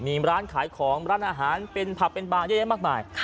มีร้านขายของร้านอาหารเป็นผับเป็นบางเยอะแยะมากมาย